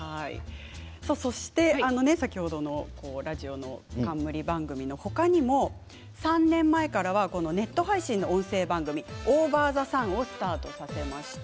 そして先ほどのラジオの冠番組の他にも３年前からはネット配信の音声番組「ＯＶＥＲＴＨＥＳＵＮ」をスタートされました。